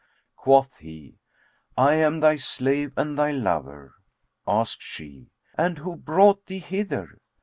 Quoth he, "I am thy slave and thy lover." Asked she, "And who brought thee hither?"